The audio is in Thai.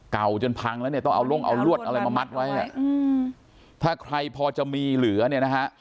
เก่าจนพังละต้องเอารวดอะไรมามัดไว้ถ้าใครพอจะมีเหลือเนี่ยนะฮะ